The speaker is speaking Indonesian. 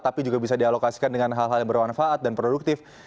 tapi juga bisa dialokasikan dengan hal hal yang bermanfaat dan produktif